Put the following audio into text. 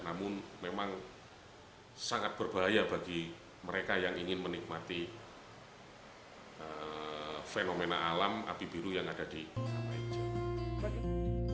namun memang sangat berbahaya bagi mereka yang ingin menikmati fenomena alam api biru yang ada di jawa